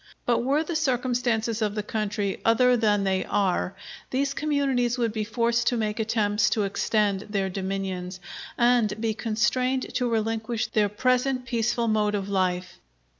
But were the circumstances of the country other than they are these communities would be forced to make attempts to extend their dominions, and be constrained to relinquish their present peaceful mode of life.